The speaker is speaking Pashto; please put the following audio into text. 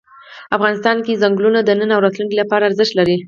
افغانستان کې چنګلونه د نن او راتلونکي لپاره ارزښت لري.